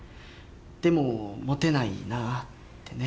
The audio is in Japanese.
でもモテないなってね。